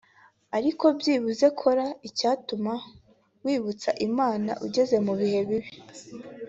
Ariko byibuze kora icyatuma wibutsa Imana ugeze mu bihe bibi